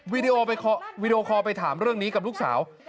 วีดีโอคอลไปถามเรื่องนี้กับลูกสาว